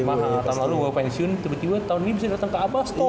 mahal tahun lalu gue pensiun tiba tiba tahun ini bisa datang ke abastok